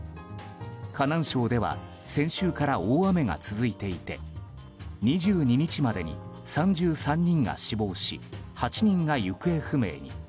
河南省では先週から大雨が続いていて２２日までに３３人が死亡し８人が行方不明に。